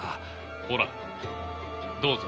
ほらどうぞ。